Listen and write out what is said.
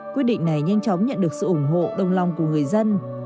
quyết định này nhanh chóng nhận được sự ủng hộ đồng lòng của người dân